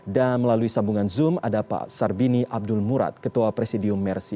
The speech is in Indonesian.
dan melalui sambungan zoom ada pak sarbini abdul murad ketua presidium mersi